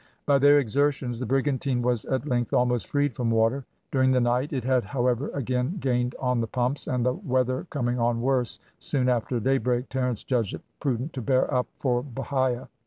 By their exertions the brigantine was at length almost freed from water. During the night it had, however, again gained on the pumps, and the weather coming on worse soon after daybreak Terence judged it prudent to bear up for Bahia.